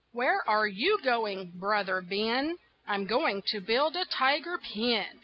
Where are you going, brother Ben? I'm going to build a tiger pen.